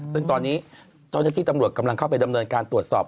ซึ่งตอนนี้เจ้าหน้าที่ตำรวจกำลังเข้าไปดำเนินการตรวจสอบ